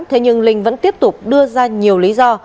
thế nhưng linh vẫn tiếp tục đưa ra nhiều lý do